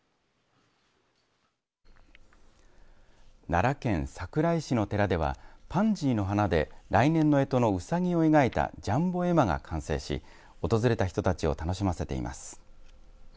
奈良県桜井市の寺ではパンジーの花で来年のえとのうさぎを描いたジャンボ絵馬が完成し訪れた人たちを楽しませています。